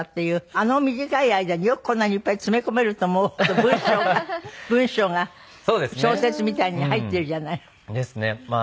あの短い間によくこんなにいっぱい詰め込めると思うほど文章が文章が小説みたいに入ってるじゃない。ですね。